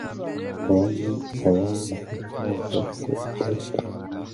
aya ni aya mashusho wafashe i boston